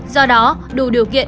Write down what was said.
do đó đủ điều kiện